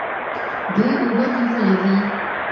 دوی اوبه نیولې وې.